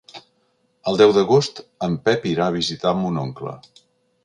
El deu d'agost en Pep irà a visitar mon oncle.